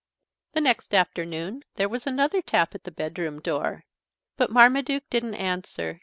The next afternoon there was another tap at the bedroom door. But Marmaduke didn't answer.